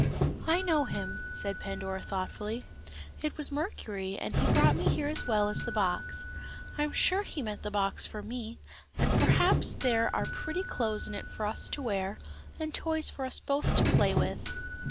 "I know him," said Pandora thoughtfully. "It was Mercury, and he brought me here as well as the box. I am sure he meant the box for me, and perhaps there are pretty clothes in it for us to wear, and toys for us both to play with."